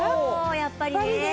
やっぱりね。